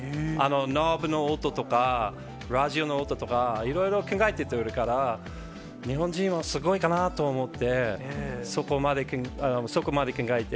ドアノブの音とか、ラジオの音とか、いろいろ考えてるから、日本人はすごいかなと思って、そこまで考えて。